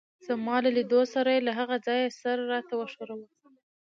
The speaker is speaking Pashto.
زما له لیدو سره يې له هغه ځایه سر راته وښوراوه.